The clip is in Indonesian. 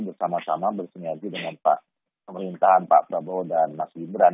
bersama sama bersinergi dengan pemerintahan pak prabowo dan mas gibran